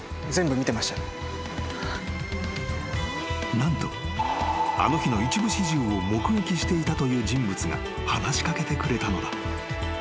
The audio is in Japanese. ［何とあの日の一部始終を目撃していたという人物が話し掛けてくれたのだ］